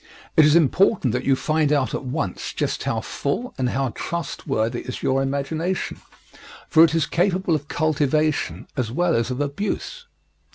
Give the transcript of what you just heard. It is important that you find out at once just how full and how trustworthy is your imagination, for it is capable of cultivation as well as of abuse.